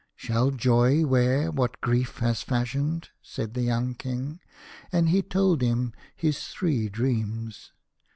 " Shall Joy wear what Grief has fashioned ?" said the young King. And he told him his three dreams.